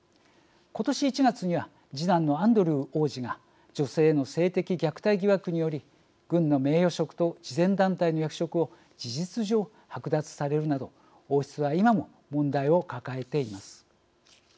今年１月には次男のアンドルー王子が女性への性的虐待疑惑により軍の名誉職と慈善団体の役職を事実上はく奪されるなど王室は今も問題を抱えています。